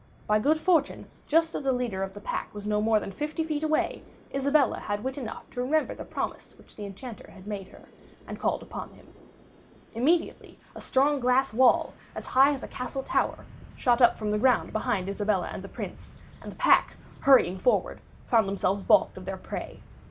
By good fortune, just as the leader of the pack was not more than fifty feet away, Isabella had wit enough to remember the promise which the Enchanter had made her, and called upon him. Immediately a strong glass wall, as high as a castle tower, shot up from the ground behind Isabella and the Prince; and the pack, hurrying forward, found themselves baulked of their prey.